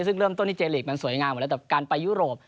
ซึ่งเริ่มต้นที่เจลีกมันสวยงามหมดแล้วแต่การไปยุโรป